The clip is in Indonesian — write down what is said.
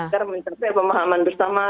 agar mencerai pemahaman bersama